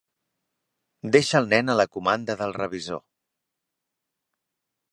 Deixà el nen a la comanda del revisor.